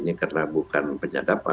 ini karena bukan penyadap